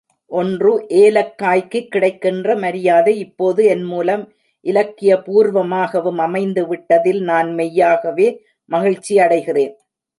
ஒன்று ஏலக்காய்க்குக் கிடைக்கின்ற மரியாதை இப்போது என்மூலம் இலக்கியபூர்வமாகவும் அமைந்துவிட்டதில் நான் மெய்யாகவே மகிழ்ச்சி அடைகிறேன்.